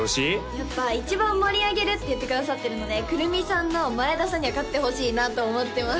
やっぱ一番盛り上げるって言ってくださってるので９６３さんの前田さんには勝ってほしいなと思ってます